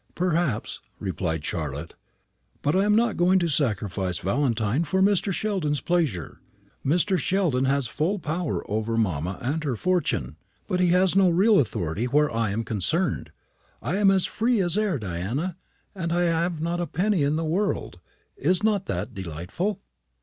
"Perhaps," replied Charlotte; "but I am not going to sacrifice Valentine for Mr. Sheldon's pleasure. Mr. Sheldon has full power over mamma and her fortune, but he has no real authority where I am concerned. I am as free as air, Diana, and I have not a penny in the world. Is not that delightful?"